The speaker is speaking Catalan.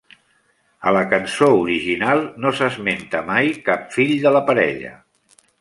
A la cançó original, no s'esmenta mai cap fill de la parella.